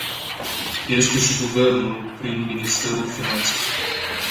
Este și Guvernul, prin Ministerul Finanțelor.